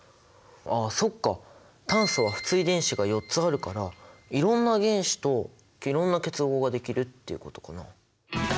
あっそっか炭素は不対電子が４つあるからいろんな原子といろんな結合ができるっていうことかな？